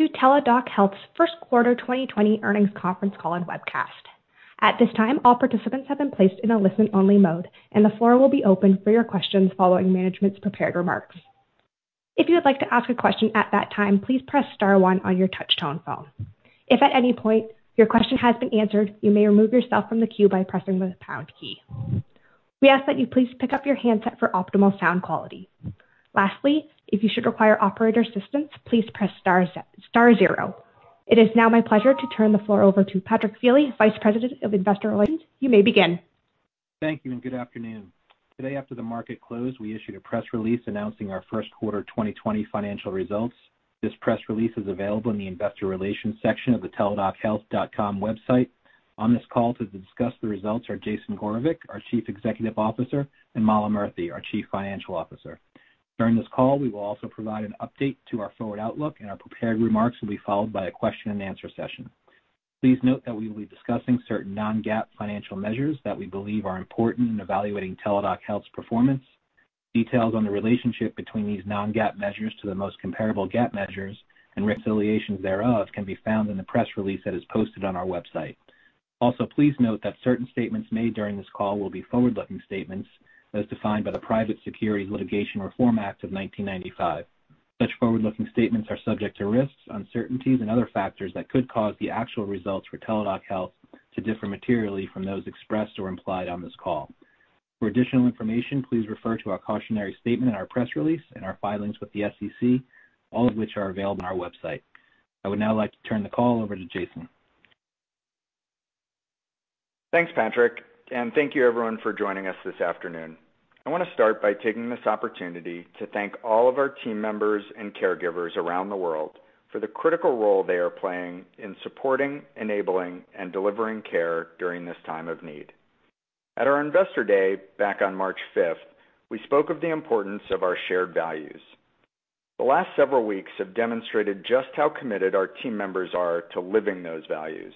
Welcome to Teladoc Health's first quarter 2020 earnings conference call and webcast. At this time, all participants have been placed in a listen-only mode, and the floor will be open for your questions following management's prepared remarks. If you would like to ask a question at that time, please press star one on your touch-tone phone. If at any point your question has been answered, you may remove yourself from the queue by pressing the pound key. We ask that you please pick up your handset for optimal sound quality. Lastly, if you should require operator assistance, please press star zero. It is now my pleasure to turn the floor over to Patrick Feeley, Vice President of Investor Relations. You may begin. Thank you. Good afternoon. Today, after the market closed, we issued a press release announcing our first quarter 2020 financial results. This press release is available in the investor relations section of the teladochealth.com website. On this call to discuss the results are Jason Gorevic, our Chief Executive Officer, and Mala Murthy, our Chief Financial Officer. During this call, we will also provide an update to our forward outlook, and our prepared remarks will be followed by a question and answer session. Please note that we will be discussing certain non-GAAP financial measures that we believe are important in evaluating Teladoc Health's performance. Details on the relationship between these non-GAAP measures to the most comparable GAAP measures and reconciliations thereof can be found in the press release that is posted on our website. Also, please note that certain statements made during this call will be forward-looking statements as defined by the Private Securities Litigation Reform Act of 1995. Such forward-looking statements are subject to risks, uncertainties, and other factors that could cause the actual results for Teladoc Health to differ materially from those expressed or implied on this call. For additional information, please refer to our cautionary statement in our press release and our filings with the SEC, all of which are available on our website. I would now like to turn the call over to Jason. Thanks, Patrick. Thank you everyone for joining us this afternoon. I want to start by taking this opportunity to thank all of our team members and caregivers around the world for the critical role they are playing in supporting, enabling, and delivering care during this time of need. At our Investor Day, back on March 5th, we spoke of the importance of our shared values. The last several weeks have demonstrated just how committed our team members are to living those values.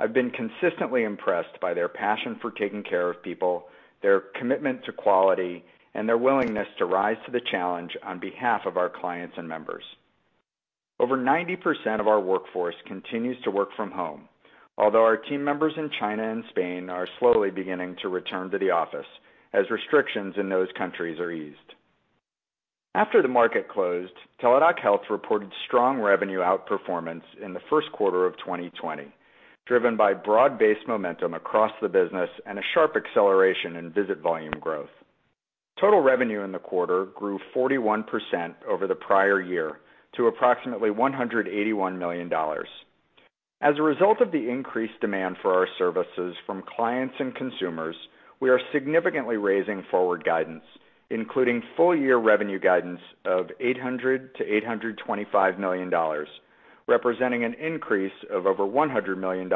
I've been consistently impressed by their passion for taking care of people, their commitment to quality, and their willingness to rise to the challenge on behalf of our clients and members. Over 90% of our workforce continues to work from home, although our team members in China and Spain are slowly beginning to return to the office as restrictions in those countries are eased. After the market closed, Teladoc Health reported strong revenue outperformance in the first quarter of 2020, driven by broad-based momentum across the business and a sharp acceleration in visit volume growth. Total revenue in the quarter grew 41% over the prior year to approximately $181 million. As a result of the increased demand for our services from clients and consumers, we are significantly raising forward guidance, including full-year revenue guidance of $800 million-$825 million, representing an increase of over $100 million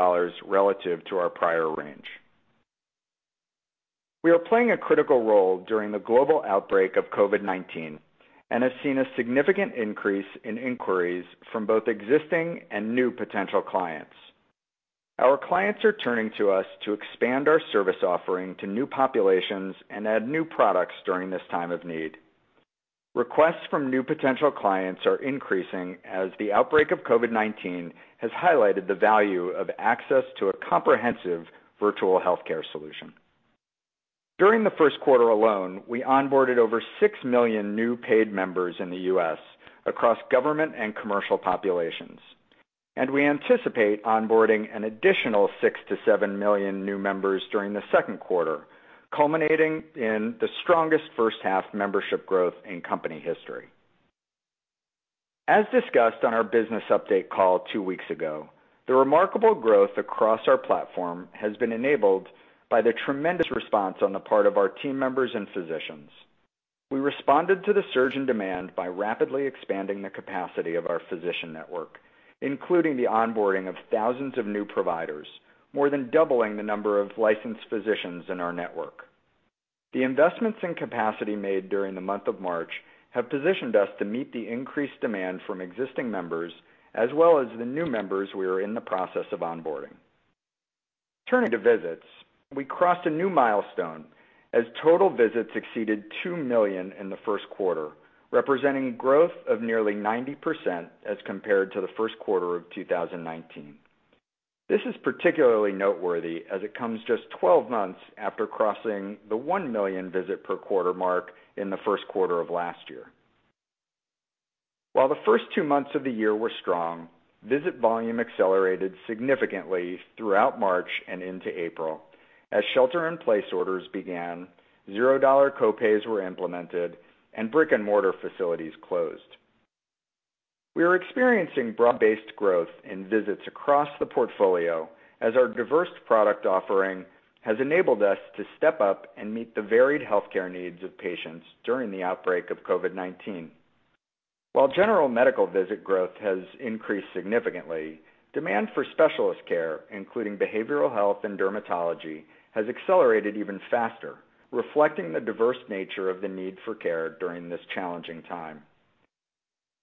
relative to our prior range. We are playing a critical role during the global outbreak of COVID-19 and have seen a significant increase in inquiries from both existing and new potential clients. Our clients are turning to us to expand our service offering to new populations and add new products during this time of need. Requests from new potential clients are increasing as the outbreak of COVID-19 has highlighted the value of access to a comprehensive virtual healthcare solution. During the first quarter alone, we onboarded over 6 million new paid members in the U.S. across government and commercial populations, and we anticipate onboarding an additional 6 million-7 million new members during the second quarter, culminating in the strongest first-half membership growth in company history. As discussed on our business update call two weeks ago, the remarkable growth across our platform has been enabled by the tremendous response on the part of our team members and physicians. We responded to the surge in demand by rapidly expanding the capacity of our physician network, including the onboarding of thousands of new providers, more than doubling the number of licensed physicians in our network. The investments in capacity made during the month of March have positioned us to meet the increased demand from existing members as well as the new members we are in the process of onboarding. Turning to visits, we crossed a new milestone as total visits exceeded 2 million in the first quarter, representing growth of nearly 90% as compared to the first quarter of 2019. This is particularly noteworthy as it comes just 12 months after crossing the 1 million visit per quarter mark in the first quarter of last year. While the first two months of the year were strong, visit volume accelerated significantly throughout March and into April as shelter-in-place orders began, $0 copays were implemented, and brick-and-mortar facilities closed. We are experiencing broad-based growth in visits across the portfolio as our diverse product offering has enabled us to step up and meet the varied healthcare needs of patients during the outbreak of COVID-19. While general medical visit growth has increased significantly, demand for specialist care, including behavioral health and dermatology, has accelerated even faster, reflecting the diverse nature of the need for care during this challenging time.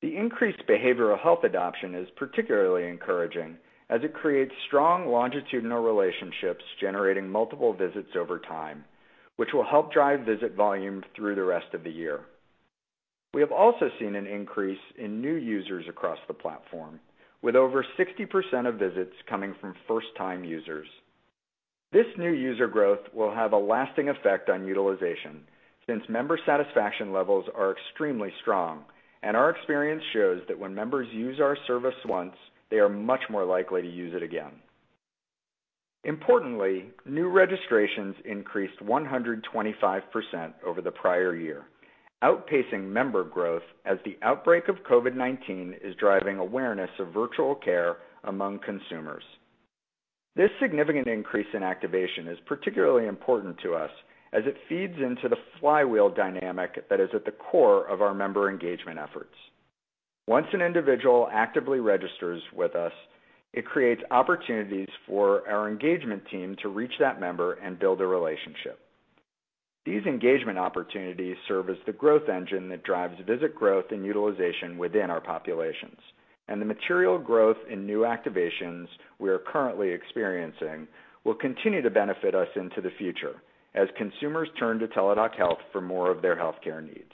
The increased behavioral health adoption is particularly encouraging as it creates strong longitudinal relationships, generating multiple visits over time, which will help drive visit volume through the rest of the year. We have also seen an increase in new users across the platform, with over 60% of visits coming from first-time users. This new user growth will have a lasting effect on utilization, since member satisfaction levels are extremely strong, and our experience shows that when members use our service once, they are much more likely to use it again. Importantly, new registrations increased 125% over the prior year, outpacing member growth as the outbreak of COVID-19 is driving awareness of virtual care among consumers. This significant increase in activation is particularly important to us as it feeds into the flywheel dynamic that is at the core of our member engagement efforts. Once an individual actively registers with us, it creates opportunities for our engagement team to reach that member and build a relationship. These engagement opportunities serve as the growth engine that drives visit growth and utilization within our populations. The material growth in new activations we are currently experiencing will continue to benefit us into the future as consumers turn to Teladoc Health for more of their healthcare needs.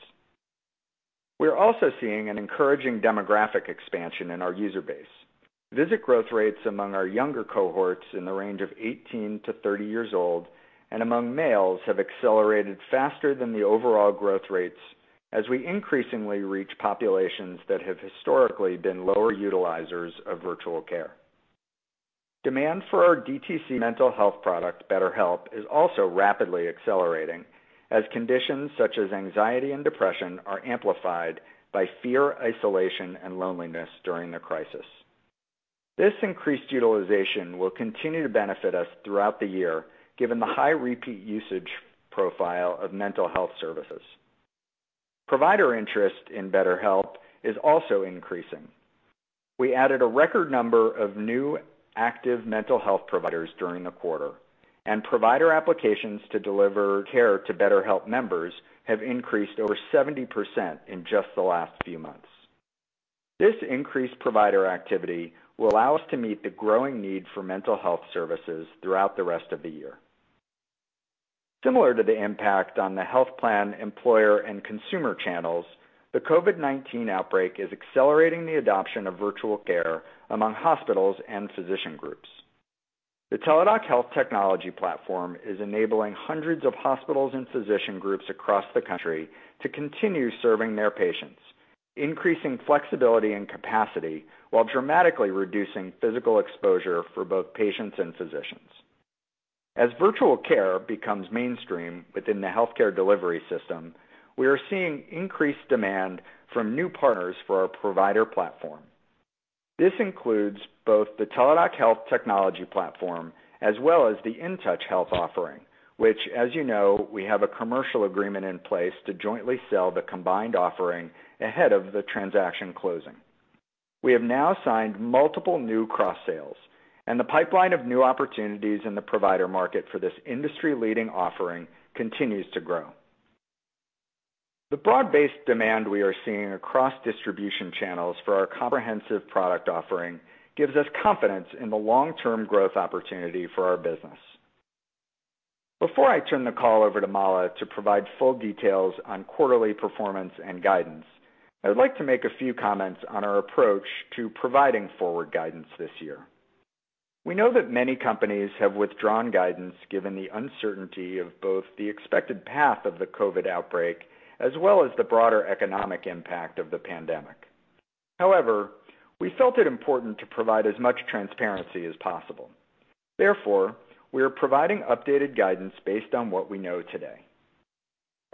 We are also seeing an encouraging demographic expansion in our user base. Visit growth rates among our younger cohorts in the range of 18-30 years old and among males have accelerated faster than the overall growth rates as we increasingly reach populations that have historically been lower utilizers of virtual care. Demand for our DTC mental health product, BetterHelp, is also rapidly accelerating as conditions such as anxiety and depression are amplified by fear, isolation, and loneliness during the crisis. This increased utilization will continue to benefit us throughout the year given the high repeat usage profile of mental health services. Provider interest in BetterHelp is also increasing. We added a record number of new active mental health providers during the quarter, and provider applications to deliver care to BetterHelp members have increased over 70% in just the last few months. This increased provider activity will allow us to meet the growing need for mental health services throughout the rest of the year. Similar to the impact on the health plan employer and consumer channels, the COVID-19 outbreak is accelerating the adoption of virtual care among hospitals and physician groups. The Teladoc Health technology platform is enabling hundreds of hospitals and physician groups across the country to continue serving their patients, increasing flexibility and capacity while dramatically reducing physical exposure for both patients and physicians. As virtual care becomes mainstream within the healthcare delivery system, we are seeing increased demand from new partners for our provider platform. This includes both the Teladoc Health technology platform as well as the InTouch Health offering, which as you know, we have a commercial agreement in place to jointly sell the combined offering ahead of the transaction closing. The pipeline of new opportunities in the provider market for this industry-leading offering continues to grow. The broad-based demand we are seeing across distribution channels for our comprehensive product offering gives us confidence in the long-term growth opportunity for our business. Before I turn the call over to Mala to provide full details on quarterly performance and guidance, I would like to make a few comments on our approach to providing forward guidance this year. We know that many companies have withdrawn guidance given the uncertainty of both the expected path of the COVID-19, as well as the broader economic impact of the pandemic. However, we felt it important to provide as much transparency as possible. Therefore, we are providing updated guidance based on what we know today.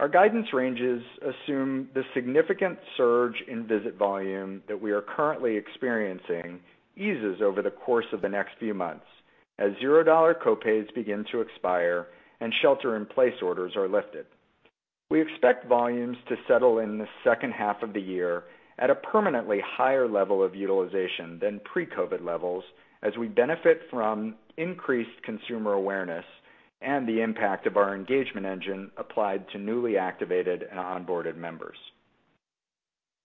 Our guidance ranges assume the significant surge in visit volume that we are currently experiencing eases over the course of the next few months as zero-dollar copays begin to expire and shelter-in-place orders are lifted. We expect volumes to settle in the second half of the year at a permanently higher level of utilization than pre-COVID levels as we benefit from increased consumer awareness and the impact of our engagement engine applied to newly activated and onboarded members.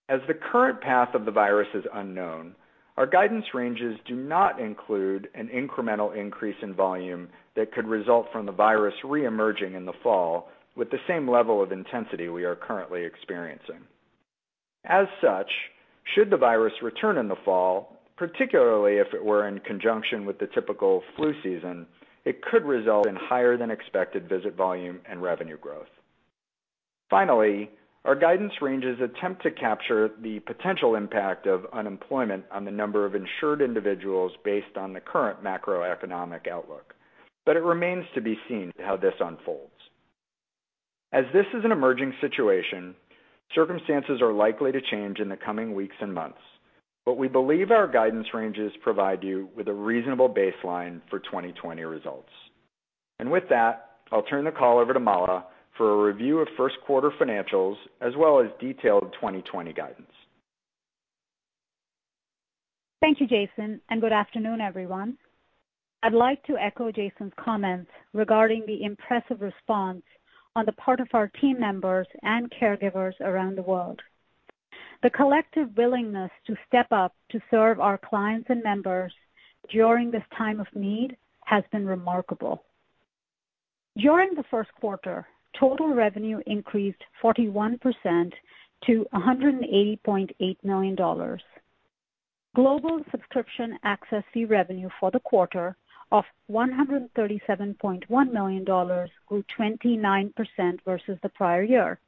As the current path of the virus is unknown, our guidance ranges do not include an incremental increase in volume that could result from the virus reemerging in the fall with the same level of intensity we are currently experiencing. As such, should the virus return in the fall, particularly if it were in conjunction with the typical flu season, it could result in higher than expected visit volume and revenue growth. Finally, our guidance ranges attempt to capture the potential impact of unemployment on the number of insured individuals based on the current macroeconomic outlook. It remains to be seen how this unfolds. As this is an emerging situation, circumstances are likely to change in the coming weeks and months. We believe our guidance ranges provide you with a reasonable baseline for 2020 results. With that, I'll turn the call over to Mala for a review of first-quarter financials as well as detailed 2020 guidance. Thank you, Jason, and good afternoon, everyone. I'd like to echo Jason's comments regarding the impressive response on the part of our team members and caregivers around the world. The collective willingness to step up to serve our clients and members during this time of need has been remarkable. During the first quarter, total revenue increased 41% to $180.8 million. Global subscription access fee revenue for the quarter of $137.1 million grew 29% versus the prior year,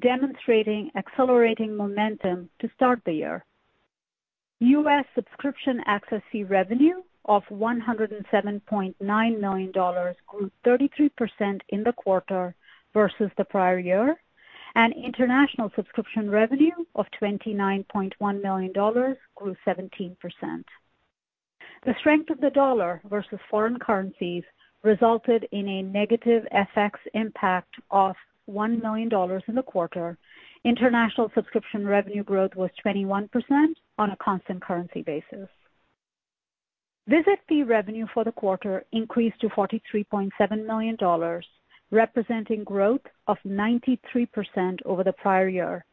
demonstrating accelerating momentum to start the year. U.S. subscription access fee revenue of $107.9 million grew 33% in the quarter versus the prior year, and international subscription revenue of $29.1 million grew 17%. The strength of the dollar versus foreign currencies resulted in a negative FX impact of $1 million in the quarter. International subscription revenue growth was 21% on a constant currency basis. Visit fee revenue for the quarter increased to $43.7 million, representing growth of 93% over the prior year,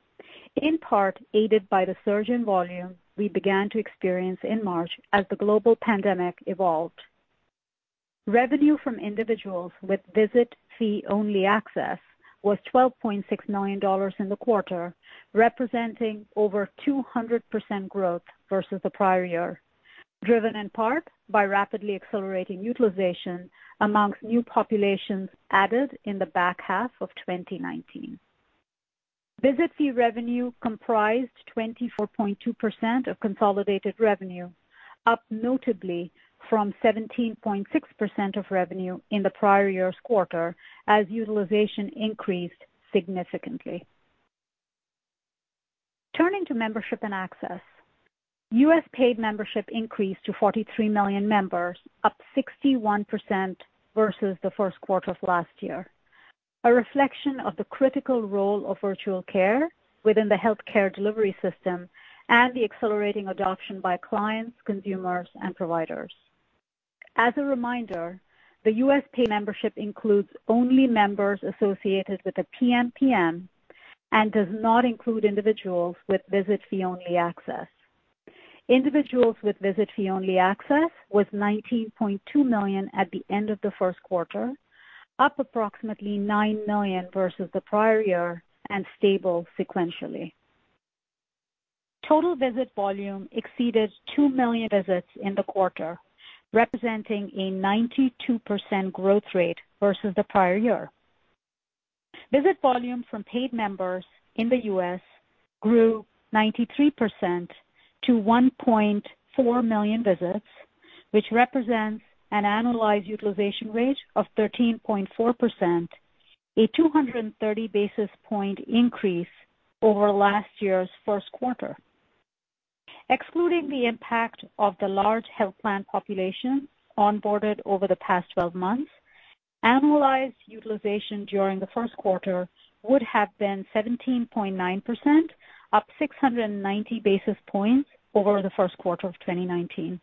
in part aided by the surge in volume we began to experience in March as the global pandemic evolved. Revenue from individuals with visit fee-only access was $12.6 million in the quarter, representing over 200% growth versus the prior year, driven in part by rapidly accelerating utilization amongst new populations added in the back half of 2019. Visit fee revenue comprised 24.2% of consolidated revenue, up notably from 17.6% of revenue in the prior year's quarter as utilization increased significantly. Turning to membership and access, U.S. paid membership increased to 43 million members, up 61% versus the first quarter of last year, a reflection of the critical role of virtual care within the healthcare delivery system and the accelerating adoption by clients, consumers, and providers. As a reminder, the U.S. paid membership includes only members associated with a PMPM and does not include individuals with visit fee-only access. Individuals with visit fee-only access was 19.2 million at the end of the first quarter, up approximately nine million versus the prior year and stable sequentially. Total visit volume exceeded two million visits in the quarter, representing a 92% growth rate versus the prior year. Visit volume from paid members in the U.S. grew 93% to 1.4 million visits, which represents an annualized utilization rate of 13.4%, a 230 basis point increase over last year's first quarter. Excluding the impact of the large health plan population onboarded over the past 12 months, annualized utilization during the first quarter would have been 17.9%, up 690 basis points over the first quarter of 2019.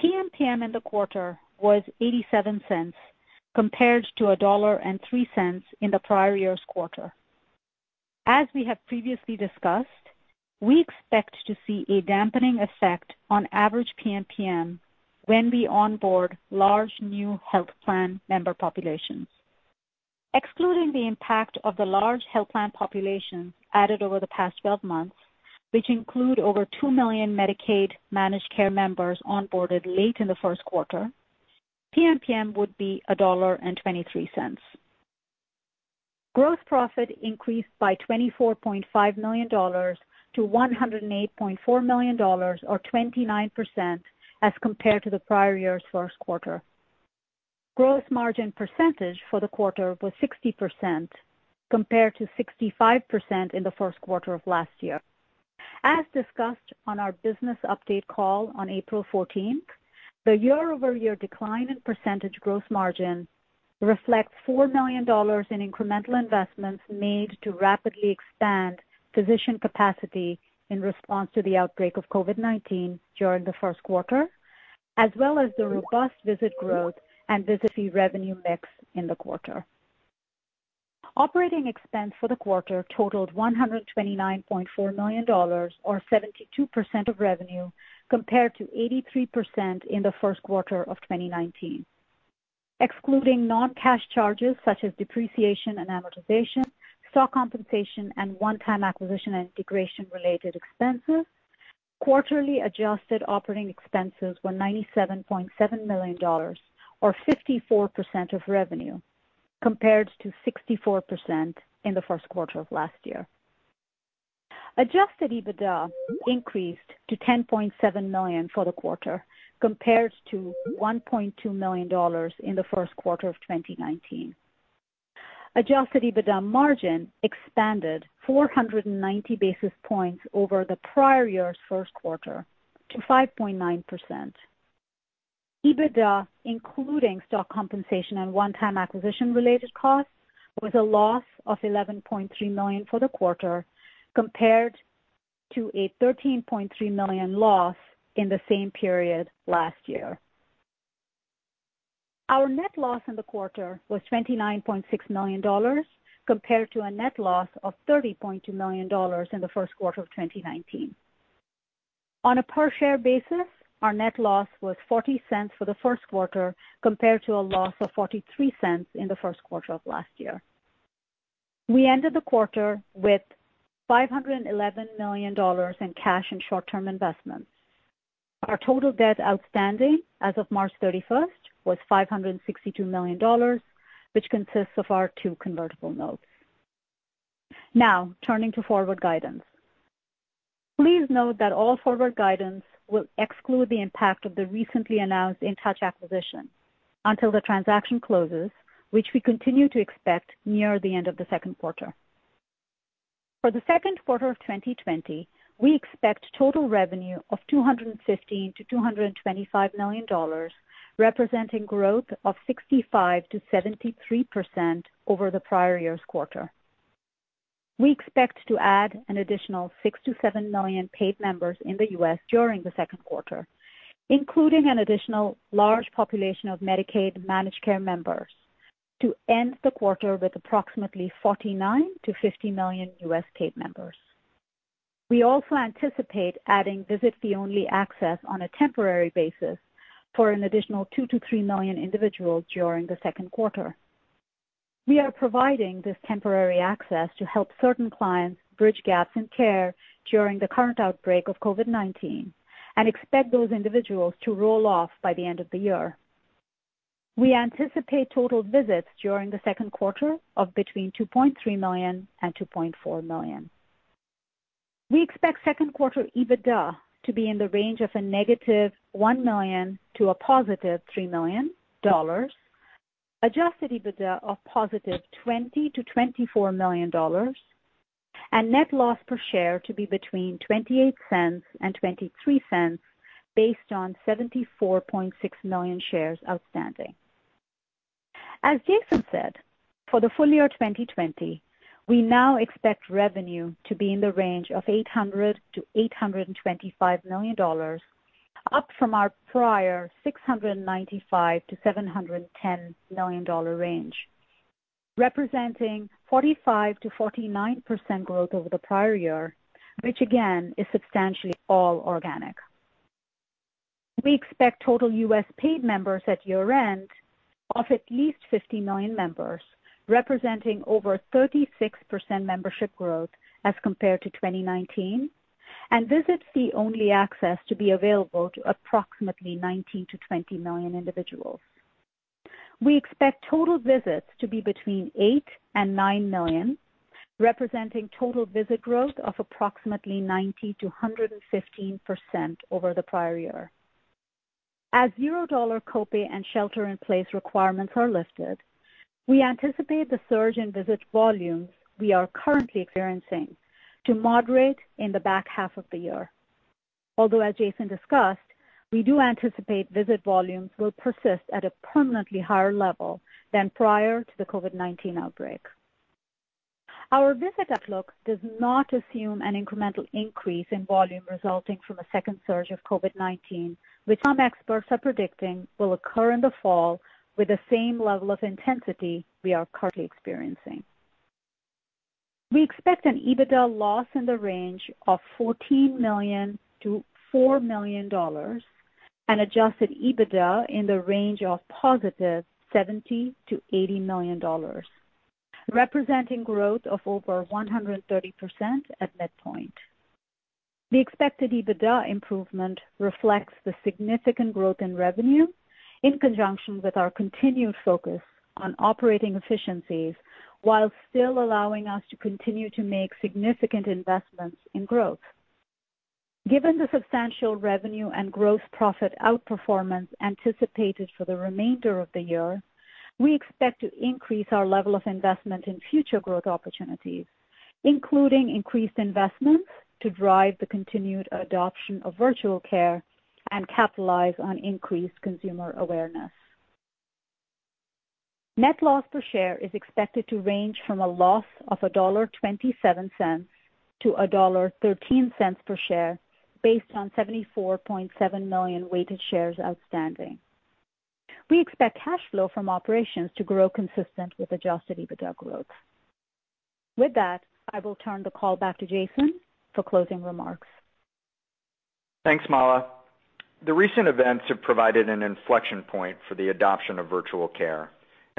PMPM in the quarter was $0.87, compared to $1.03 in the prior year's quarter. As we have previously discussed, we expect to see a dampening effect on average PMPM when we onboard large new health plan member populations. Excluding the impact of the large health plan population added over the past 12 months, which include over 2 million Medicaid managed care members onboarded late in the first quarter, PMPM would be $1.23. Gross profit increased by $24.5 million to $108.4 million or 29% as compared to the prior year's first quarter. Gross margin percentage for the quarter was 60% compared to 65% in the first quarter of last year. As discussed on our business update call on April 14th, the year-over-year decline in percentage gross margin reflects $4 million in incremental investments made to rapidly expand physician capacity in response to the outbreak of COVID-19 during the first quarter, as well as the robust visit growth and visit fee revenue mix in the quarter. Operating expense for the quarter totaled $129.4 million or 72% of revenue, compared to 83% in the first quarter of 2019. Excluding non-cash charges such as depreciation and amortization, stock compensation, and one-time acquisition and integration-related expenses, quarterly adjusted operating expenses were $97.7 million or 54% of revenue, compared to 64% in the first quarter of last year. Adjusted EBITDA increased to $10.7 million for the quarter, compared to $1.2 million in the first quarter of 2019. Adjusted EBITDA margin expanded 490 basis points over the prior year's first quarter to 5.9%. EBITDA, including stock compensation and one-time acquisition-related costs, was a loss of $11.3 million for the quarter compared to a $13.3 million loss in the same period last year. Our net loss in the quarter was $29.6 million compared to a net loss of $30.2 million in the first quarter of 2019. On a per share basis, our net loss was $0.40 for the first quarter, compared to a loss of $0.43 in the first quarter of last year. We ended the quarter with $511 million in cash and short-term investments. Our total debt outstanding as of March 31st was $562 million, which consists of our two convertible notes. Turning to forward guidance. Please note that all forward guidance will exclude the impact of the recently announced InTouch acquisition until the transaction closes, which we continue to expect near the end of the second quarter. For the second quarter of 2020, we expect total revenue of $215 million-$225 million, representing growth of 65%-73% over the prior year's quarter. We expect to add an additional 6 million-7 million paid members in the U.S. during the second quarter, including an additional large population of Medicaid managed care members, to end the quarter with approximately 49 million-50 million U.S. paid members. We also anticipate adding visit fee-only access on a temporary basis for an additional 2 million-3 million individuals during the second quarter. We are providing this temporary access to help certain clients bridge gaps in care during the current outbreak of COVID-19 and expect those individuals to roll off by the end of the year. We anticipate total visits during the second quarter of between 2.3 million and 2.4 million. We expect second quarter EBITDA to be in the range of a -$1 million to +$3 million, adjusted EBITDA of +$20 million-$24 million, and net loss per share to be between $0.28 and $0.23 based on 74.6 million shares outstanding. As Jason said, for the full year 2020, we now expect revenue to be in the range of $800 million-$825 million, up from our prior $695 million-$710 million range, representing 45%-49% growth over the prior year, which again, is substantially all organic. We expect total U.S. paid members at year-end of at least 50 million members, representing over 36% membership growth as compared to 2019, and visit fee-only access to be available to approximately 19 million to 20 million individuals. We expect total visits to be between 8 million and 9 million, representing total visit growth of approximately 90%-115% over the prior year. As $0 copay and shelter-in-place requirements are lifted, we anticipate the surge in visit volumes we are currently experiencing to moderate in the back half of the year. Although, as Jason discussed, we do anticipate visit volumes will persist at a permanently higher level than prior to the COVID-19 outbreak. Our visit outlook does not assume an incremental increase in volume resulting from a second surge of COVID-19, which some experts are predicting will occur in the fall with the same level of intensity we are currently experiencing. We expect an EBITDA loss in the range of $14 million-$4 million and adjusted EBITDA in the range of +$70 million-$80 million, representing growth of over 130% at midpoint. The expected EBITDA improvement reflects the significant growth in revenue in conjunction with our continued focus on operating efficiencies while still allowing us to continue to make significant investments in growth. Given the substantial revenue and gross profit outperformance anticipated for the remainder of the year, we expect to increase our level of investment in future growth opportunities, including increased investments to drive the continued adoption of virtual care and capitalize on increased consumer awareness. Net loss per share is expected to range from a loss of $1.27-$1.13 per share based on 74.7 million weighted shares outstanding. We expect cash flow from operations to grow consistent with adjusted EBITDA growth. With that, I will turn the call back to Jason for closing remarks. Thanks, Mala. The recent events have provided an inflection point for the adoption of virtual care,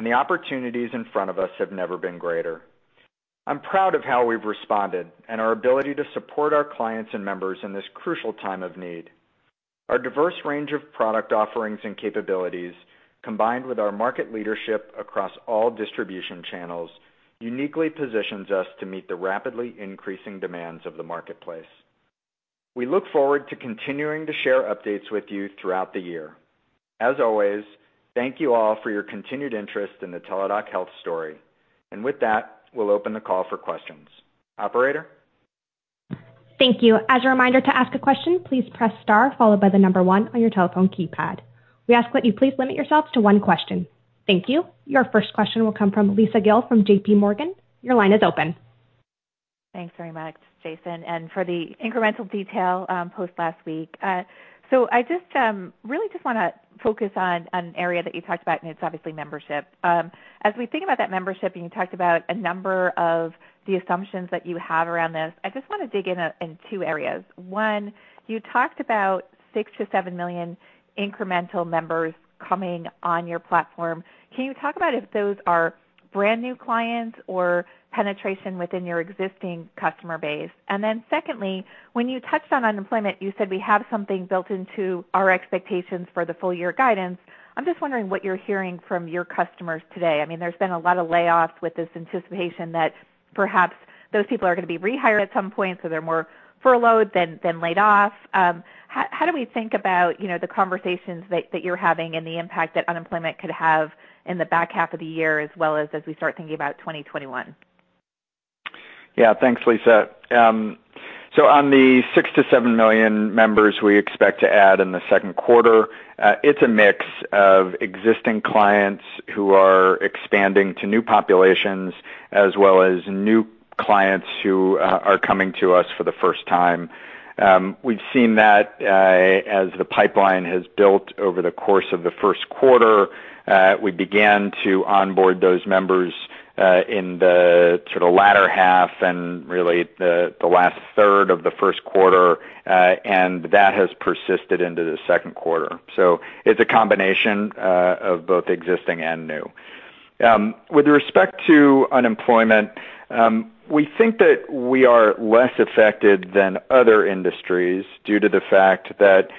and the opportunities in front of us have never been greater. I'm proud of how we've responded and our ability to support our clients and members in this crucial time of need. Our diverse range of product offerings and capabilities, combined with our market leadership across all distribution channels, uniquely positions us to meet the rapidly increasing demands of the marketplace. We look forward to continuing to share updates with you throughout the year. As always, thank you all for your continued interest in the Teladoc Health story. With that, we'll open the call for questions. Operator? Thank you. As a reminder to ask a question, please press star followed by the number one on your telephone keypad. We ask that you please limit yourself to one question. Thank you. Your first question will come from Lisa Gill from JPMorgan. Your line is open. Thanks very much, Jason, and for the incremental detail post last week. I just really just want to focus on an area that you talked about, and it's obviously membership. As we think about that membership, and you talked about a number of the assumptions that you have around this, I just want to dig in two areas. One, you talked about 6 to 7 million incremental members coming on your platform. Can you talk about if those are brand new clients or penetration within your existing customer base? Secondly, when you touched on unemployment, you said we have something built into our expectations for the full year guidance. I'm just wondering what you're hearing from your customers today. There's been a lot of layoffs with this anticipation that perhaps those people are going to be rehired at some point, so they're more furloughed than laid off. How do we think about the conversations that you're having and the impact that unemployment could have in the back half of the year, as well as as we start thinking about 2021? Thanks, Lisa. On the 6 million to 7 million members we expect to add in the second quarter, it's a mix of existing clients who are expanding to new populations, as well as new clients who are coming to us for the first time. We've seen that as the pipeline has built over the course of the first quarter. We began to onboard those members in the latter half and really the last third of the first quarter, and that has persisted into the second quarter. It's a combination of both existing and new. With respect to unemployment, we think that we are less affected than other industries due to the fact that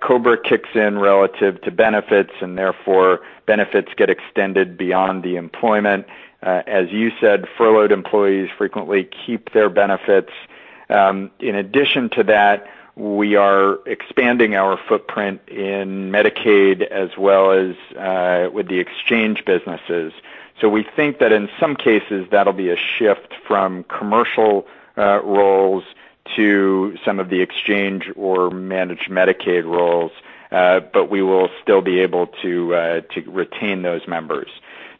COBRA kicks in relative to benefits, and therefore benefits get extended beyond the employment. As you said, furloughed employees frequently keep their benefits. In addition to that, we are expanding our footprint in Medicaid as well as with the exchange businesses. We think that in some cases, that'll be a shift from commercial roles to some of the exchange or managed Medicaid roles, but we will still be able to retain those members.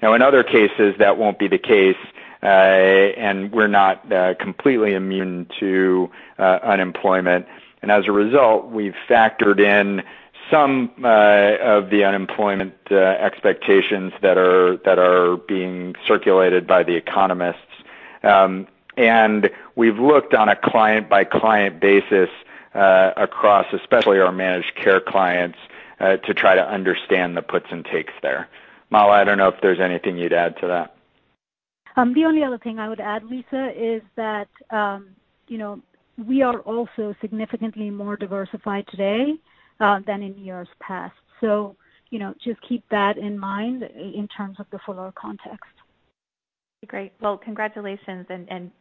In other cases, that won't be the case, and we're not completely immune to unemployment. As a result, we've factored in some of the unemployment expectations that are being circulated by the economists. We've looked on a client-by-client basis, across especially our managed care clients, to try to understand the puts and takes there. Mala, I don't know if there's anything you'd add to that. The only other thing I would add, Lisa, is that we are also significantly more diversified today than in years past. Just keep that in mind in terms of the fuller context. Great. Well, congratulations.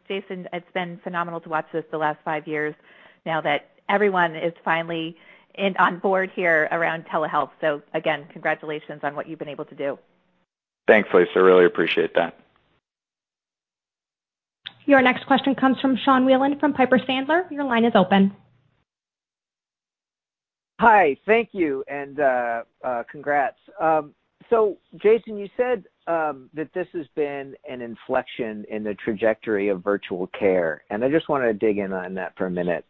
Jason, it's been phenomenal to watch this the last five years now that everyone is finally on board here around telehealth. Again, congratulations on what you've been able to do. Thanks, Lisa. Really appreciate that. Your next question comes from Sean Wieland from Piper Sandler. Your line is open. Hi. Thank you, and congrats. Jason, you said that this has been an inflection in the trajectory of virtual care, and I just want to dig in on that for a minute.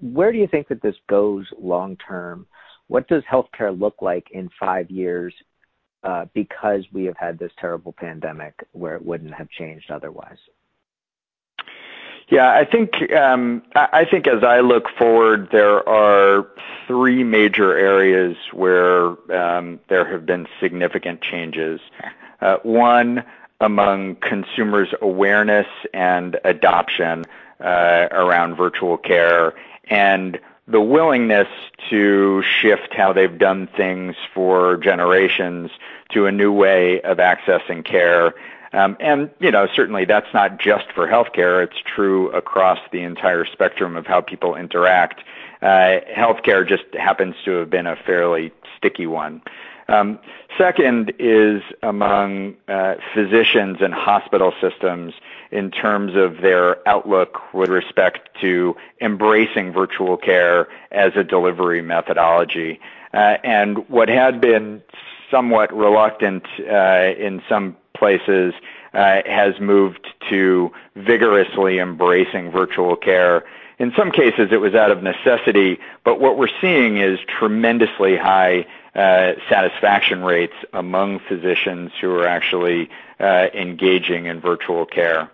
Where do you think that this goes long term? What does healthcare look like in five years, because we have had this terrible pandemic where it wouldn't have changed otherwise? I think as I look forward, there are three major areas where there have been significant changes. One, among consumers' awareness and adoption around virtual care and the willingness to shift how they've done things for generations to a new way of accessing care. Certainly that's not just for healthcare. It's true across the entire spectrum of how people interact. Healthcare just happens to have been a fairly sticky one. Second is among physicians and hospital systems in terms of their outlook with respect to embracing virtual care as a delivery methodology. What had been somewhat reluctant in some places has moved to vigorously embracing virtual care. In some cases, it was out of necessity, but what we're seeing is tremendously high satisfaction rates among physicians who are actually engaging in virtual care.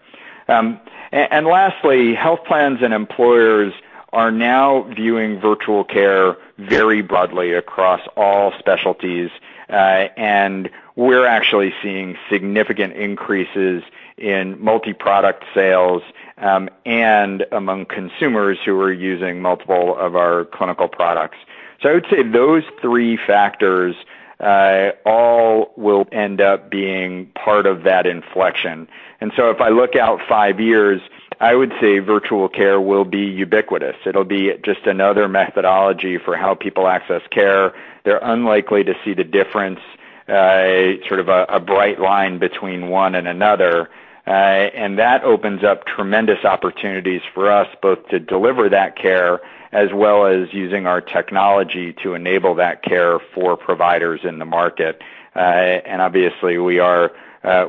Lastly, health plans and employers are now viewing virtual care very broadly across all specialties. We're actually seeing significant increases in multi-product sales, and among consumers who are using multiple of our clinical products. I would say those three factors all will end up being part of that inflection. If I look out five years, I would say virtual care will be ubiquitous. It'll be just another methodology for how people access care. They're unlikely to see the difference, sort of a bright line between one and another. That opens up tremendous opportunities for us both to deliver that care, as well as using our technology to enable that care for providers in the market. Obviously we are,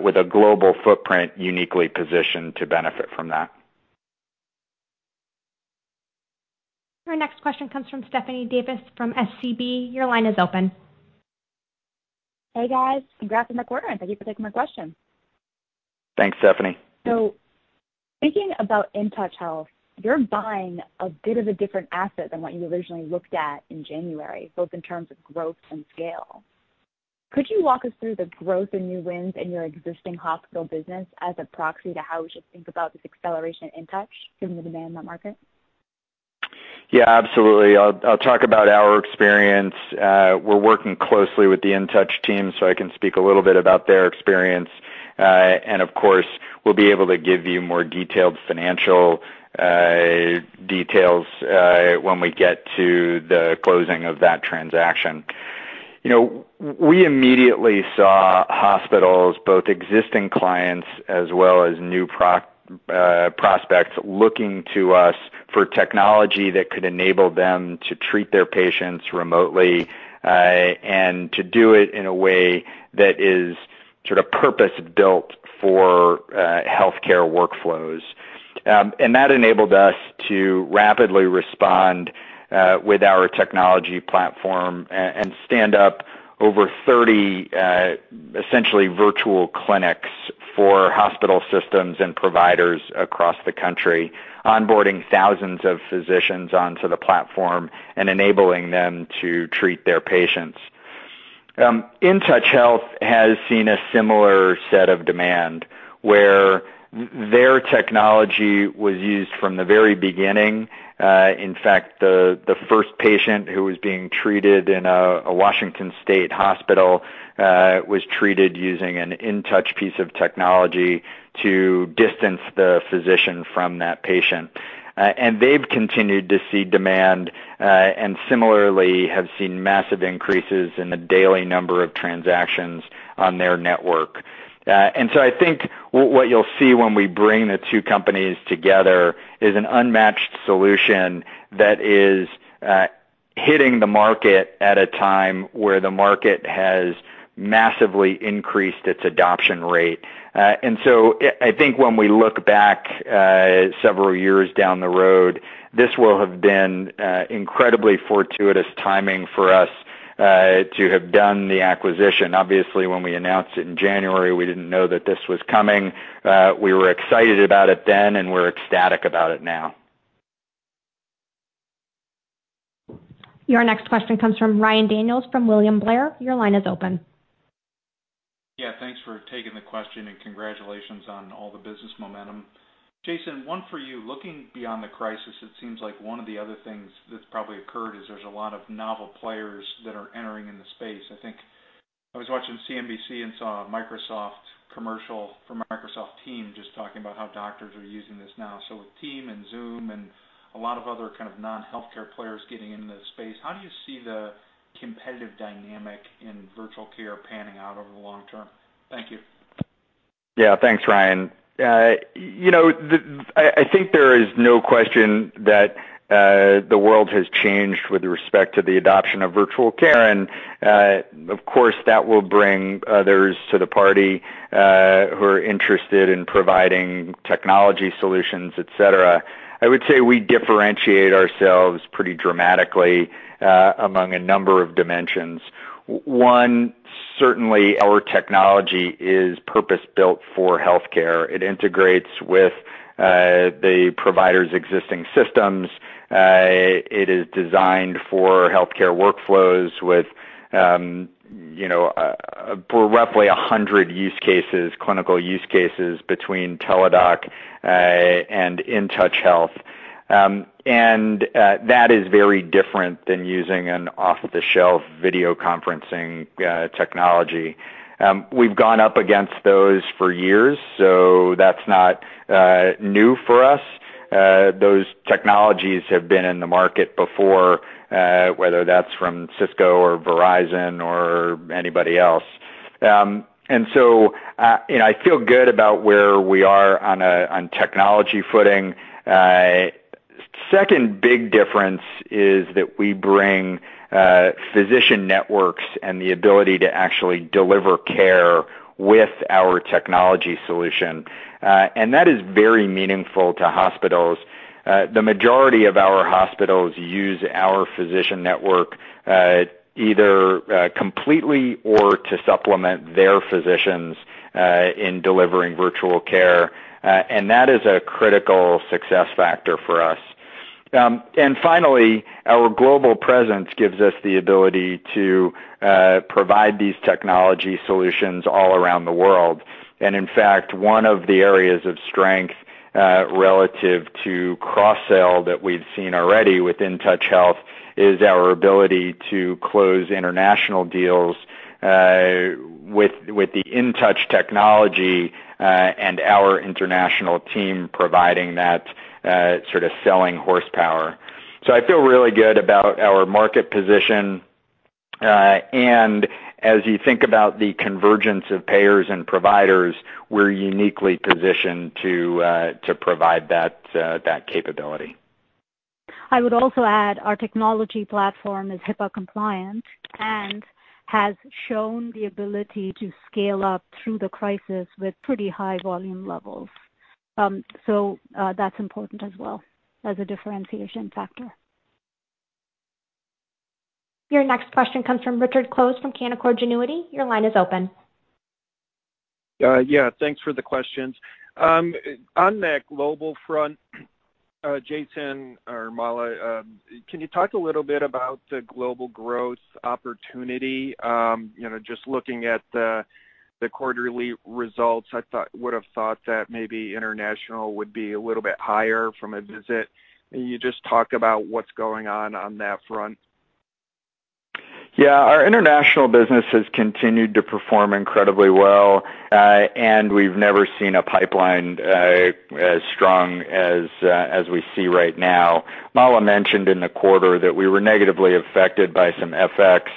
with a global footprint, uniquely positioned to benefit from that. Our next question comes from Stephanie Davis from SVB. Your line is open. Hey, guys. Congrats on the quarter. Thank you for taking my question. Thanks, Stephanie. Thinking about InTouch Health, you're buying a bit of a different asset than what you originally looked at in January, both in terms of growth and scale. Could you walk us through the growth in new wins in your existing hospital business as a proxy to how we should think about this acceleration at InTouch, given the demand in that market? Yeah, absolutely. I'll talk about our experience. We're working closely with the InTouch team, so I can speak a little bit about their experience. Of course, we'll be able to give you more detailed financial details when we get to the closing of that transaction. We immediately saw hospitals, both existing clients as well as new prospects, looking to us for technology that could enable them to treat their patients remotely, and to do it in a way that is purpose-built for healthcare workflows. That enabled us to rapidly respond with our technology platform and stand up over 30, essentially virtual clinics for hospital systems and providers across the country, onboarding thousands of physicians onto the platform and enabling them to treat their patients. InTouch Health has seen a similar set of demand where their technology was used from the very beginning. In fact, the first patient who was being treated in a Washington State hospital was treated using an InTouch piece of technology to distance the physician from that patient. They've continued to see demand, and similarly have seen massive increases in the daily number of transactions on their network. I think what you'll see when we bring the two companies together is an unmatched solution that is hitting the market at a time where the market has massively increased its adoption rate. I think when we look back several years down the road, this will have been incredibly fortuitous timing for us to have done the acquisition. Obviously, when we announced it in January, we didn't know that this was coming. We were excited about it then, and we're ecstatic about it now. Your next question comes from Ryan Daniels from William Blair. Your line is open. Yeah, thanks for taking the question, and congratulations on all the business momentum. Jason, one for you. Looking beyond the crisis, it seems like one of the other things that's probably occurred is there's a lot of novel players that are entering in the space. I think I was watching CNBC and saw a Microsoft commercial for Microsoft Teams, just talking about how doctors are using this now. With Teams and Zoom and a lot of other kind of non-healthcare players getting into the space, how do you see the competitive dynamic in virtual care panning out over the long term? Thank you. Thanks, Ryan. I think there is no question that the world has changed with respect to the adoption of virtual care. Of course, that will bring others to the party who are interested in providing technology solutions, et cetera. I would say we differentiate ourselves pretty dramatically among a number of dimensions. One, certainly our technology is purpose-built for healthcare. It integrates with the provider's existing systems. It is designed for healthcare workflows with roughly 100 use cases, clinical use cases between Teladoc and InTouch Health. That is very different than using an off-the-shelf video conferencing technology. We've gone up against those for years, so that's not new for us. Those technologies have been in the market before, whether that's from Cisco or Verizon or anybody else. I feel good about where we are on technology footing. Second big difference is that we bring physician networks and the ability to actually deliver care with our technology solution. That is very meaningful to hospitals. The majority of our hospitals use our physician network, either completely or to supplement their physicians in delivering virtual care. That is a critical success factor for us. Finally, our global presence gives us the ability to provide these technology solutions all around the world. In fact, one of the areas of strength relative to cross-sell that we've seen already with InTouch Health is our ability to close international deals with the InTouch technology and our international team providing that sort of selling horsepower. I feel really good about our market position. As you think about the convergence of payers and providers, we're uniquely positioned to provide that capability. I would also add our technology platform is HIPAA compliant and has shown the ability to scale up through the crisis with pretty high volume levels. That's important as well as a differentiation factor. Your next question comes from Richard Close from Canaccord Genuity. Your line is open. Yeah, thanks for the questions. On that global front, Jason or Mala, can you talk a little bit about the global growth opportunity? Just looking at the quarterly results, I would've thought that maybe international would be a little bit higher from a visit. Can you just talk about what's going on on that front? Yeah. Our international business has continued to perform incredibly well, and we've never seen a pipeline as strong as we see right now. Mala mentioned in the quarter that we were negatively affected by some FX,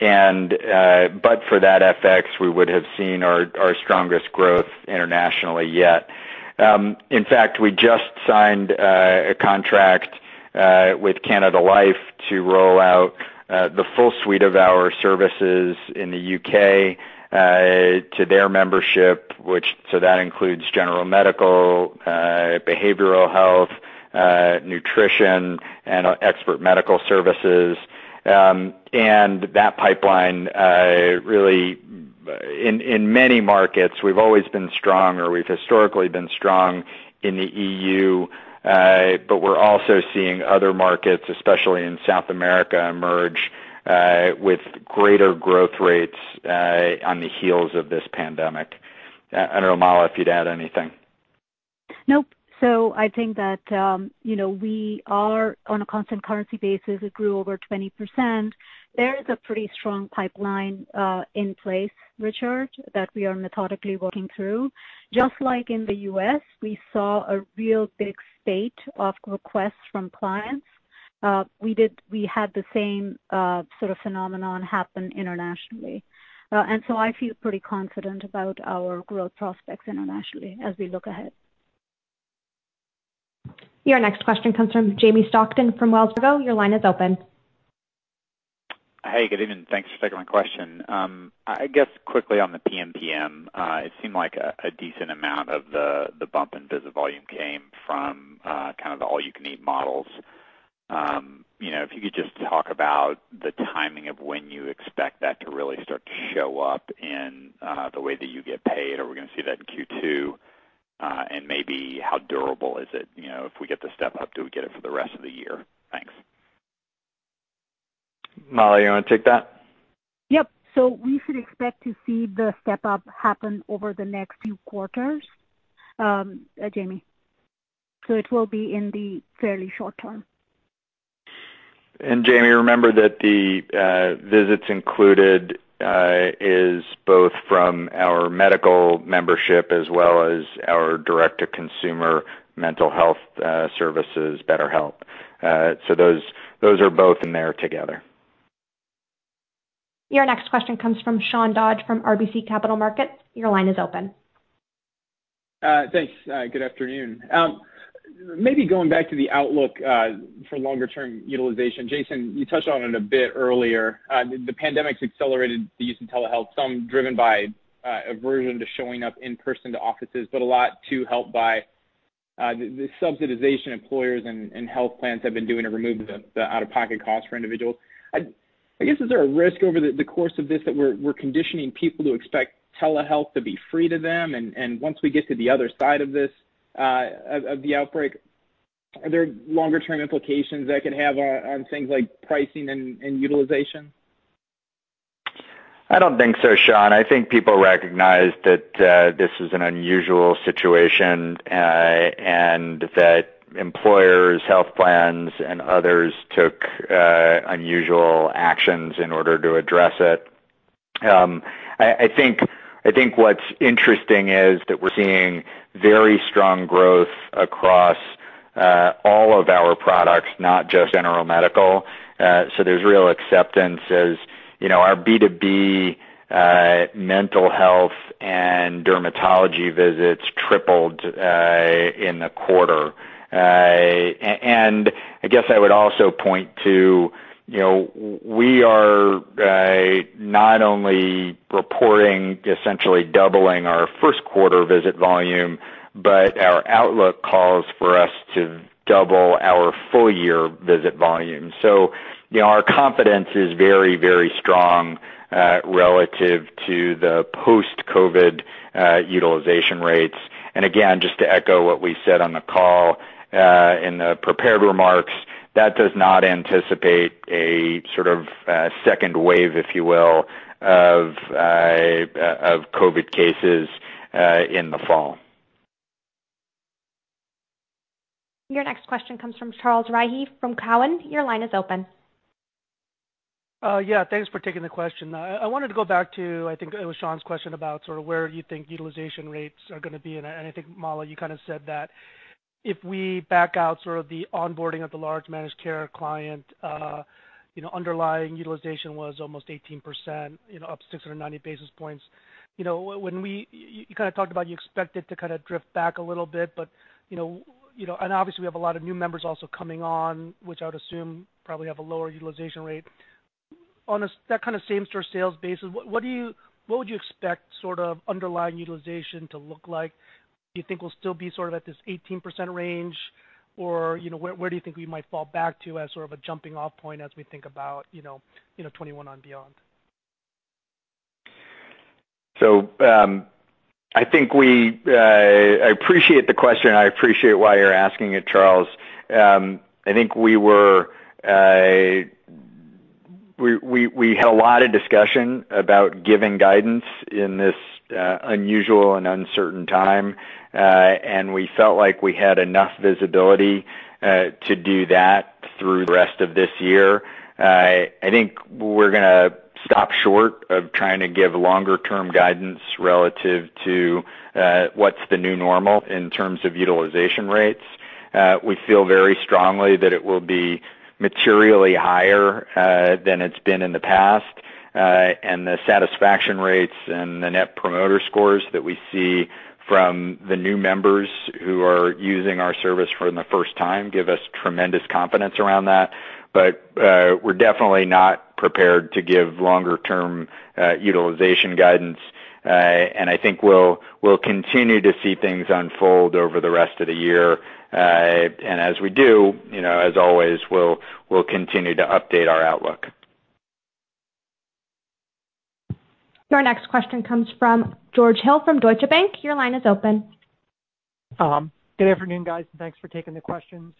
but for that FX, we would have seen our strongest growth internationally yet. In fact, we just signed a contract with Canada Life to roll out the full suite of our services in the U.K. to their membership, so that includes general medical, behavioral health, nutrition, and expert medical services. That pipeline, really, in many markets, we've always been strong or we've historically been strong in the EU, but we're also seeing other markets, especially in South America, emerge, with greater growth rates on the heels of this pandemic. I don't know, Mala, if you'd add anything. Nope. I think that we are on a constant currency basis, it grew over 20%. There is a pretty strong pipeline in place, Richard, that we are methodically working through. Just like in the U.S., we saw a real big spate of requests from clients. We had the same sort of phenomenon happen internationally. I feel pretty confident about our growth prospects internationally as we look ahead. Your next question comes from Jamie Stockton from Wells Fargo. Your line is open. Hey, good evening. Thanks for taking my question. I guess quickly on the PMPM, it seemed like a decent amount of the bump in visit volume came from kind of the all-you-can-eat models. If you could just talk about the timing of when you expect that to really start to show up in the way that you get paid? Are we going to see that in Q2? Maybe how durable is it? If we get the step up, do we get it for the rest of the year? Thanks. Mala, you want to take that? Yep. We should expect to see the step up happen over the next few quarters, Jamie. It will be in the fairly short term. Jamie, remember that the visits included is both from our medical membership as well as our direct-to-consumer mental health services, BetterHelp. Those are both in there together. Your next question comes from Sean Dodge from RBC Capital Markets. Your line is open. Thanks. Good afternoon. Going back to the outlook, for longer term utilization, Jason, you touched on it a bit earlier. The pandemic's accelerated the use of telehealth, some driven by aversion to showing up in person to offices, but a lot too helped by the subsidization employers and health plans have been doing to remove the out-of-pocket costs for individuals. I guess, is there a risk over the course of this that we're conditioning people to expect telehealth to be free to them? Once we get to the other side of the outbreak, are there longer term implications that could have on things like pricing and utilization? I don't think so, Sean. I think people recognize that this is an unusual situation, and that employers, health plans, and others took unusual actions in order to address it. I think what's interesting is that we're seeing very strong growth across all of our products, not just general medical. There's real acceptance as our B2B mental health and dermatology visits tripled in the quarter. I guess I would also point to, we are not only reporting essentially doubling our first quarter visit volume, but our outlook calls for us to double our full year visit volume. Our confidence is very strong, relative to the post-COVID utilization rates. Again, just to echo what we said on the call, in the prepared remarks, that does not anticipate a sort of second wave, if you will, of COVID cases in the fall. Your next question comes from Charles Rhyee from Cowen. Your line is open. Thanks for taking the question. I wanted to go back to, I think it was Sean's question about sort of where you think utilization rates are going to be, and I think, Mala, you kind of said that if we back out sort of the onboarding of the large managed care client, underlying utilization was almost 18%, up 690 basis points. You kind of talked about you expect it to kind of drift back a little bit, and obviously we have a lot of new members also coming on, which I would assume probably have a lower utilization rate. On that kind of same-store sales basis, what would you expect underlying utilization to look like? Do you think we'll still be sort of at this 18% range, or where do you think we might fall back to as sort of a jumping-off point as we think about 2021 and beyond? I appreciate the question. I appreciate why you're asking it, Charles. I think we had a lot of discussion about giving guidance in this unusual and uncertain time, and we felt like we had enough visibility to do that through the rest of this year. I think we're going to stop short of trying to give longer-term guidance relative to what's the new normal in terms of utilization rates. We feel very strongly that it will be materially higher than it's been in the past. The satisfaction rates and the net promoter scores that we see from the new members who are using our service for the first time give us tremendous confidence around that. We're definitely not prepared to give longer-term utilization guidance. I think we'll continue to see things unfold over the rest of the year, and as we do, as always, we'll continue to update our outlook. Your next question comes from George Hill from Deutsche Bank. Your line is open. Good afternoon, guys. Thanks for taking the questions.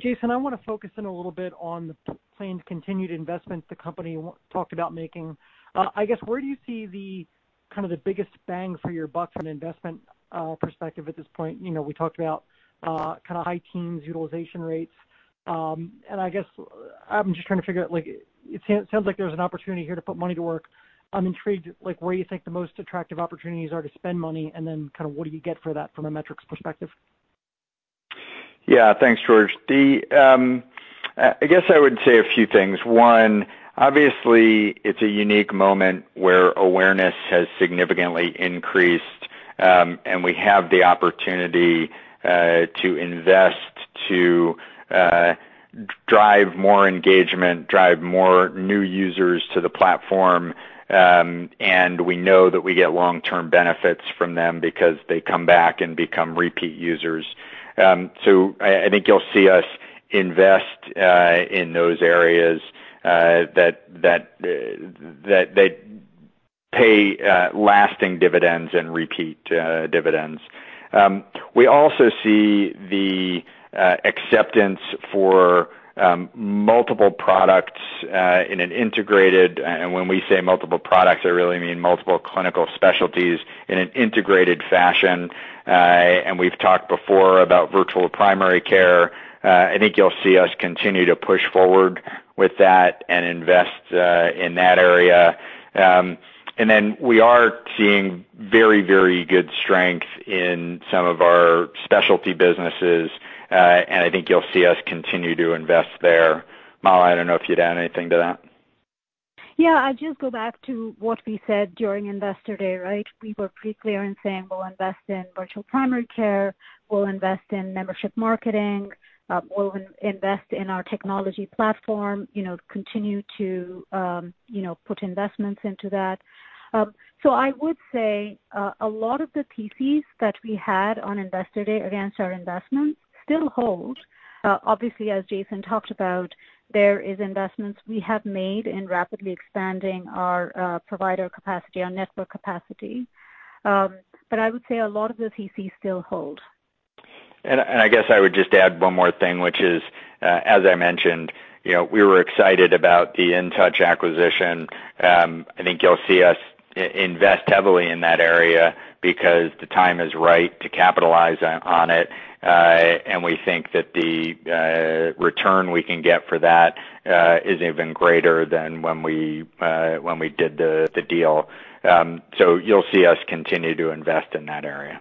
Jason, I want to focus in a little bit on the planned continued investments the company talked about making. I guess, where do you see the biggest bang for your buck from an investment perspective at this point? We talked about high teens utilization rates. I guess, I'm just trying to figure out, it sounds like there's an opportunity here to put money to work. I'm intrigued, where you think the most attractive opportunities are to spend money, and then what do you get for that from a metrics perspective? Thanks, George. I guess I would say a few things. One, obviously, it's a unique moment where awareness has significantly increased, and we have the opportunity to invest to drive more engagement, drive more new users to the platform, and we know that we get long-term benefits from them because they come back and become repeat users. I think you'll see us invest in those areas that pay lasting dividends and repeat dividends. We also see the acceptance for multiple products in an integrated, and when we say multiple products, I really mean multiple clinical specialties, in an integrated fashion. We've talked before about virtual primary care. I think you'll see us continue to push forward with that and invest in that area. We are seeing very, very good strength in some of our specialty businesses, and I think you'll see us continue to invest there. Mala, I don't know if you'd add anything to that. Yeah, I'll just go back to what we said during Investor Day, right? We were pretty clear in saying we'll invest in virtual primary care, we'll invest in membership marketing, we'll invest in our technology platform, continue to put investments into that. I would say a lot of the pieces that we had on Investor Day against our investments still hold. Obviously, as Jason talked about, there is investments we have made in rapidly expanding our provider capacity, our network capacity. I would say a lot of the pieces still hold. I guess I would just add one more thing, which is, as I mentioned, we were excited about the InTouch acquisition. I think you'll see us invest heavily in that area because the time is right to capitalize on it. We think that the return we can get for that is even greater than when we did the deal. You'll see us continue to invest in that area.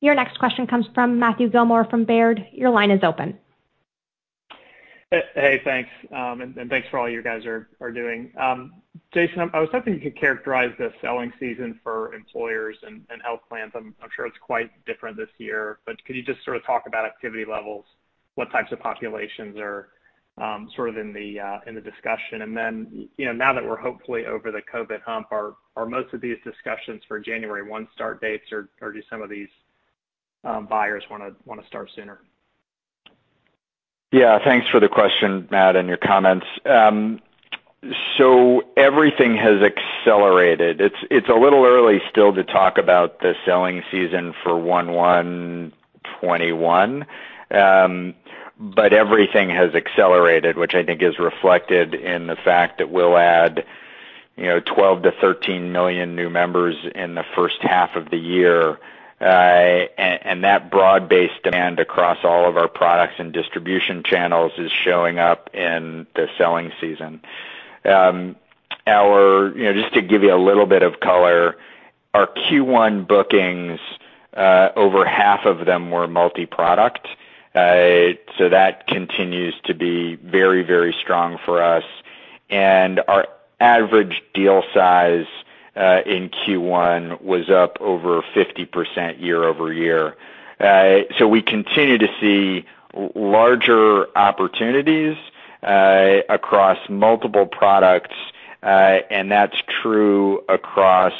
Your next question comes from Matthew Gillmor from Baird. Your line is open. Hey, thanks for all you guys are doing. Jason, I was hoping you could characterize the selling season for employers and health plans. I'm sure it's quite different this year, but could you just sort of talk about activity levels, what types of populations are sort of in the discussion? Now that we're hopefully over the COVID hump, are most of these discussions for January 1 start dates, or do some of these buyers want to start sooner? Yeah, thanks for the question, Matt, and your comments. Everything has accelerated. It's a little early still to talk about the selling season for 1/1/2021, but everything has accelerated, which I think is reflected in the fact that we'll add 12 million to 13 million new members in the first half of the year. That broad-based demand across all of our products and distribution channels is showing up in the selling season. Just to give you a little bit of color, our Q1 bookings, over half of them were multi-product. That continues to be very strong for us. Our average deal size in Q1 was up over 50% year-over-year. We continue to see larger opportunities across multiple products, and that's true across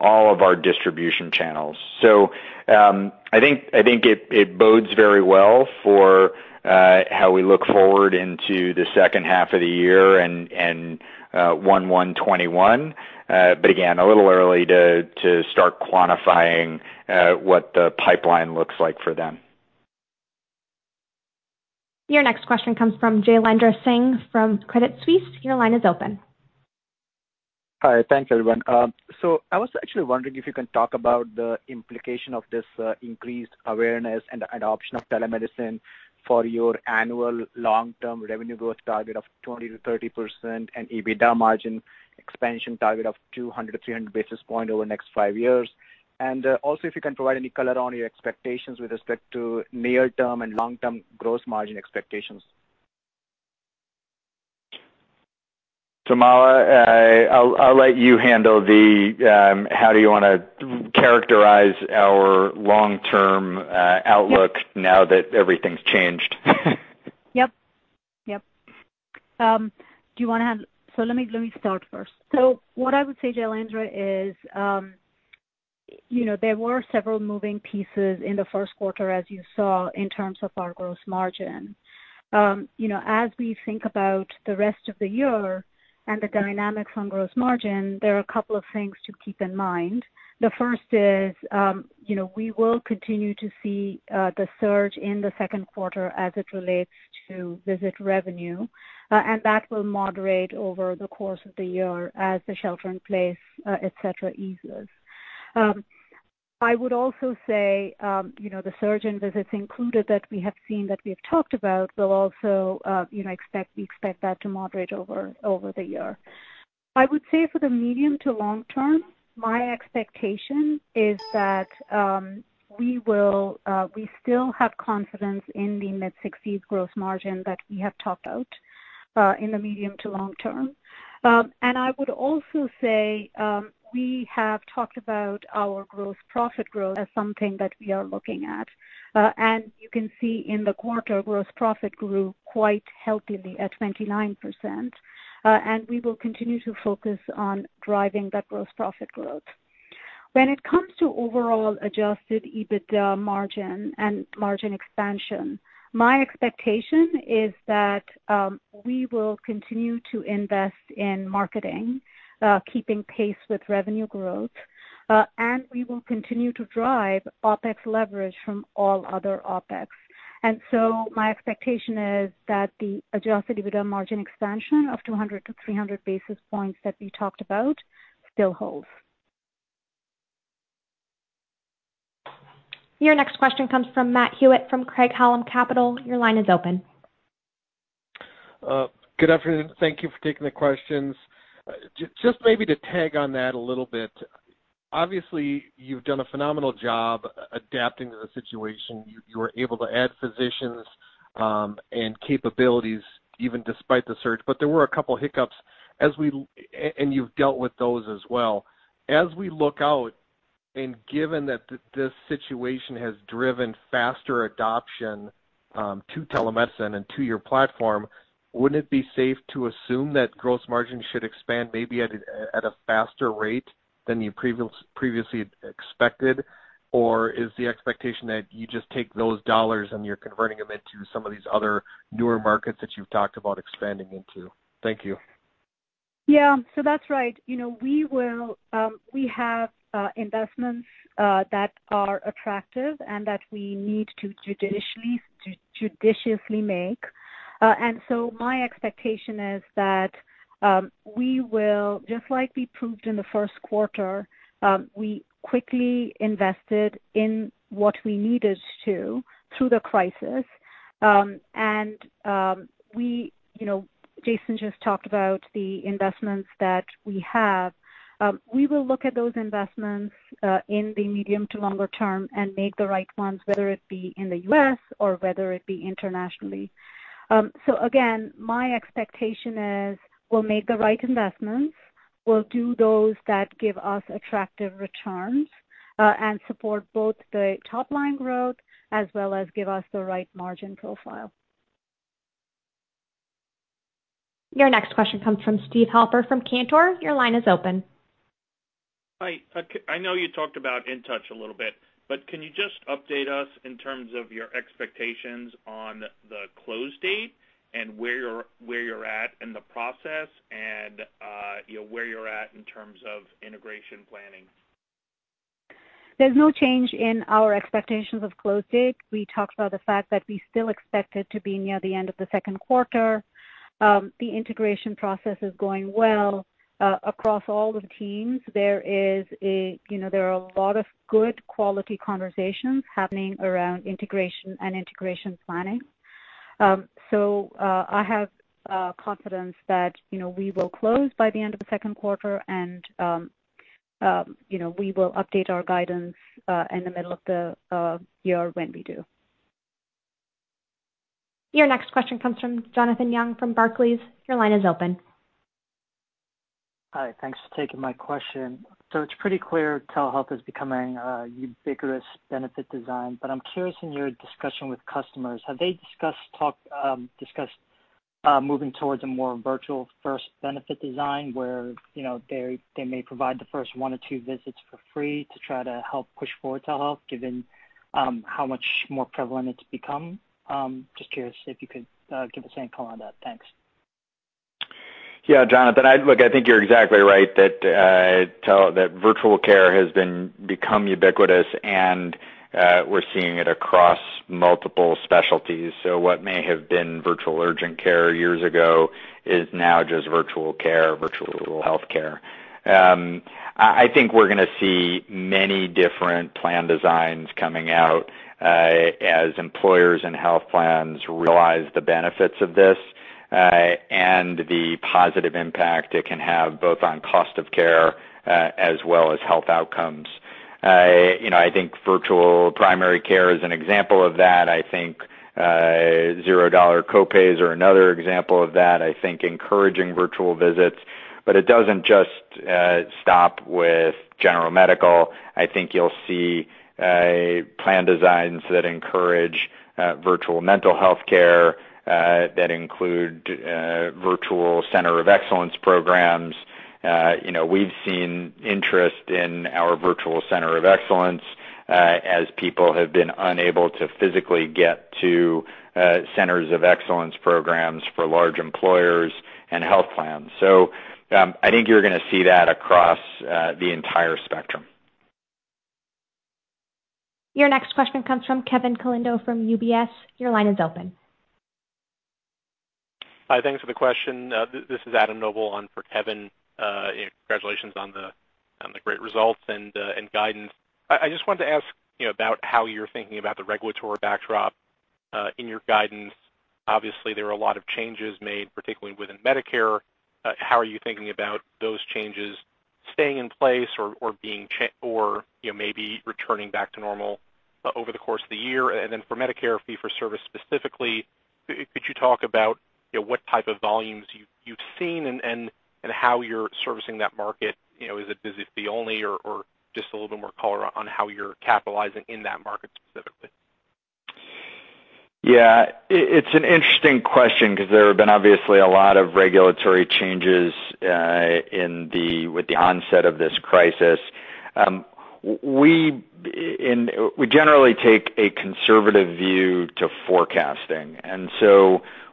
all of our distribution channels. I think it bodes very well for how we look forward into the second half of the year and 2021. Again, a little early to start quantifying what the pipeline looks like for them. Your next question comes from Jailendra Singh from Credit Suisse. Your line is open. Hi. Thanks, everyone. I was actually wondering if you can talk about the implication of this increased awareness and adoption of telemedicine for your annual long-term revenue growth target of 20%-30% and EBITDA margin expansion target of 200-300 basis points over the next five years. Also, if you can provide any color on your expectations with respect to near-term and long-term gross margin expectations. Mala, I'll let you handle the how do you want to characterize our long-term outlook now that everything's changed. Yep. Let me start first. What I would say, Jailendra, is there were several moving pieces in the first quarter, as you saw, in terms of our gross margin. As we think about the rest of the year and the dynamics on gross margin, there are a couple of things to keep in mind. The first is we will continue to see the surge in the second quarter as it relates to visit revenue, and that will moderate over the course of the year as the shelter-in-place, et cetera, eases. I would also say, the surge in visits included that we have seen, that we have talked about, we expect that to moderate over the year. I would say for the medium to long term, my expectation is that we still have confidence in the mid-60s gross margin that we have talked about in the medium to long term. I would also say we have talked about our growth, profit growth as something that we are looking at. You can see in the quarter, gross profit grew quite healthily at 29%, and we will continue to focus on driving that gross profit growth. When it comes to overall adjusted EBITDA margin and margin expansion, my expectation is that we will continue to invest in marketing, keeping pace with revenue growth, and we will continue to drive OpEx leverage from all other OpEx. My expectation is that the adjusted EBITDA margin expansion of 200-300 basis points that we talked about still holds. Your next question comes from Matt Hewitt from Craig-Hallum Capital. Your line is open. Good afternoon. Thank you for taking the questions. Just maybe to tag on that a little bit, obviously you've done a phenomenal job adapting to the situation. You were able to add physicians and capabilities even despite the surge. There were a couple hiccups, and you've dealt with those as well. As we look out, and given that this situation has driven faster adoption to telemedicine and to your platform, wouldn't it be safe to assume that gross margin should expand maybe at a faster rate than you previously expected? Is the expectation that you just take those dollars and you're converting them into some of these other newer markets that you've talked about expanding into? Thank you. Yeah. That's right. We have investments that are attractive and that we need to judiciously make. My expectation is that we will, just like we proved in the first quarter, we quickly invested in what we needed to through the crisis. Jason just talked about the investments that we have. We will look at those investments in the medium to longer term and make the right ones, whether it be in the U.S. or whether it be internationally. Again, my expectation is we'll make the right investments, we'll do those that give us attractive returns, and support both the top-line growth as well as give us the right margin profile. Your next question comes from Steve Halper from Cantor. Your line is open. Hi. I know you talked about InTouch a little bit, but can you just update us in terms of your expectations on the close date and where you're at in the process and where you're at in terms of integration planning? There's no change in our expectations of close date. We talked about the fact that we still expect it to be near the end of the second quarter. The integration process is going well across all the teams. There are a lot of good quality conversations happening around integration and integration planning. I have confidence that we will close by the end of the second quarter, and we will update our guidance in the middle of the year when we do. Your next question comes from Jonathan Yong from Barclays. Your line is open. Hi. Thanks for taking my question. It's pretty clear telehealth is becoming a ubiquitous benefit design, but I'm curious, in your discussion with customers, have they discussed moving towards a more virtual-first benefit design where they may provide the first one or two visits for free to try to help push for telehealth given how much more prevalent it's become? Just curious if you could give us any color on that. Thanks. Yeah, Jonathan, look, I think you're exactly right that virtual care has become ubiquitous, and we're seeing it across multiple specialties. What may have been virtual urgent care years ago is now just virtual care, virtual healthcare. I think we're going to see many different plan designs coming out, as employers and health plans realize the benefits of this, and the positive impact it can have, both on cost of care, as well as health outcomes. I think virtual primary care is an example of that. I think zero dollar copays are another example of that. I think encouraging virtual visits. It doesn't just stop with general medical. I think you'll see plan designs that encourage virtual mental health care, that include virtual center of excellence programs. We've seen interest in our virtual center of excellence, as people have been unable to physically get to centers of excellence programs for large employers and health plans. I think you're going to see that across the entire spectrum. Your next question comes from Kevin Caliendo from UBS. Your line is open. Hi, thanks for the question. This is Adam Noble on for Kevin. Congratulations on the great results and guidance. I just wanted to ask about how you're thinking about the regulatory backdrop, in your guidance. Obviously, there were a lot of changes made, particularly within Medicare. How are you thinking about those changes staying in place or maybe returning back to normal over the course of the year? For Medicare fee-for-service specifically, could you talk about what type of volumes you've seen and how you're servicing that market? Is it basic fee only or just a little bit more color on how you're capitalizing in that market specifically? Yeah. It's an interesting question because there have been obviously a lot of regulatory changes with the onset of this crisis. We generally take a conservative view to forecasting.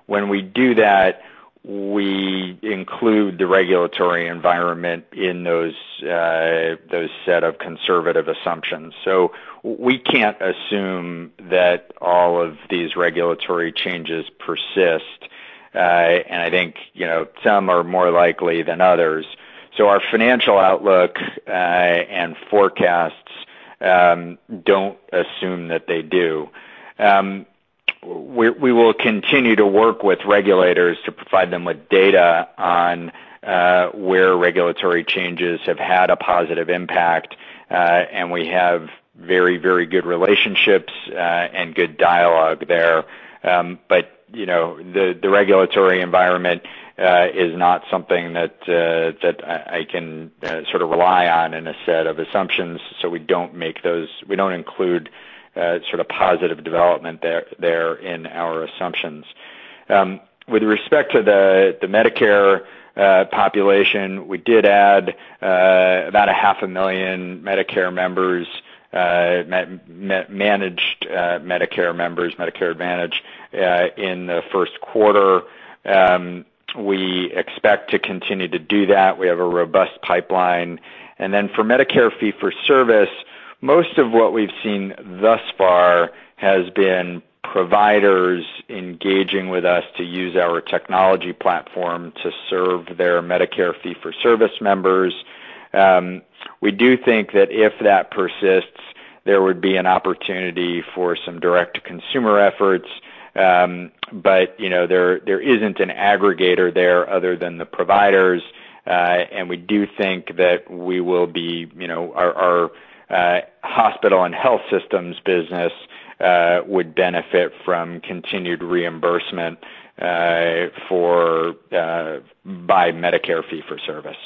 When we do that, we include the regulatory environment in those set of conservative assumptions. We can't assume that all of these regulatory changes persist. I think some are more likely than others. Our financial outlook and forecasts don't assume that they do. We will continue to work with regulators to provide them with data on where regulatory changes have had a positive impact. We have very good relationships, and good dialogue there. The regulatory environment is not something that I can sort of rely on in a set of assumptions, so we don't include sort of positive development there in our assumptions. With respect to the Medicare population, we did add about a half a million Medicare members, managed Medicare members, Medicare Advantage, in the first quarter. We expect to continue to do that. We have a robust pipeline. Then for Medicare fee-for-service, most of what we've seen thus far has been providers engaging with us to use our technology platform to serve their Medicare fee-for-service members. We do think that if that persists, there would be an opportunity for some direct consumer efforts. There isn't an aggregator there other than the providers. We do think that our hospital and health systems business would benefit from continued reimbursement by Medicare fee-for-service.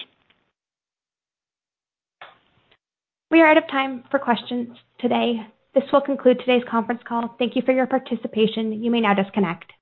We are out of time for questions today. This will conclude today's conference call. Thank you for your participation. You may now disconnect.